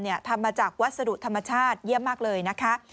ทำมาจากวัสดุธรรมชาติเยี่ยมมากเลยนะคะ